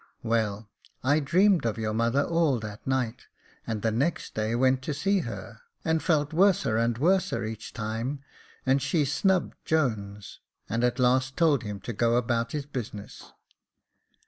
Well, I dreamed of your mother all that night and the next day went to see her, and felt worser and worser each time, and she snubbed Jones, and at last told him to go about his business.